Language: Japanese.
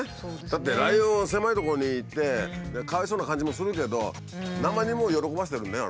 だってライオンは狭いとこにいてかわいそうな感じもするけど何万人もを喜ばせてるんだよ